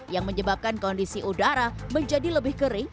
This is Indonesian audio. yang menyebabkan kondisi udara menjadi lebih kering